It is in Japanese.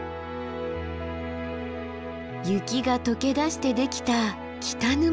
雪が解け出してできた北沼。